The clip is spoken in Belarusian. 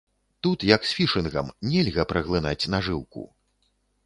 Тут, як з фішынгам, нельга праглынаць нажыўку.